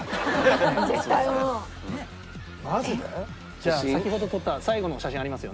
じゃあ先ほど撮った最後の写真ありますよね？